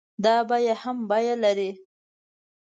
دا بيه هم بيه لري.